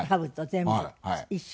全部一式